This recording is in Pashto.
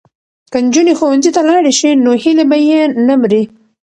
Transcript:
که نجونې ښوونځي ته لاړې شي نو هیلې به یې نه مري.